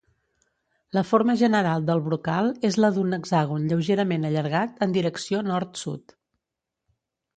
La forma general del brocal és la d'un hexàgon lleugerament allargat en direcció nord-sud.